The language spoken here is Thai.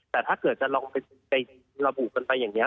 แต่ถ้าเกิดจะลองไประบุกันไปอย่างนี้